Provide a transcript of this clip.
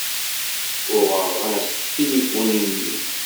Uɣeɣ-as-d tilifun i mmi.